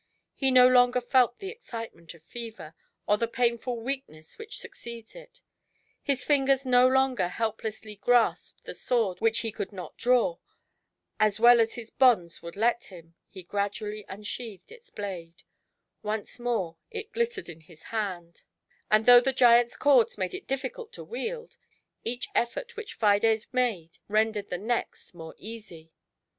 He no longer felt the excitement of fever, or the painful weakness which succeeds it — ^his fingers no longer helplessly grasped the sword which he could not draw — as well as his bonds would let him, he gi adually unsheathed its blade — once more it glittered in his hand; and though the giant's cords made it difficult to wield, each effort which Fides made rendered the next more easy.